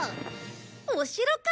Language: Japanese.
お城か！